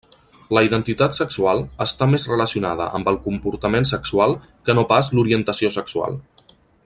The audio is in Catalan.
La identitat sexual està més relacionada amb el comportament sexual que no pas l'orientació sexual.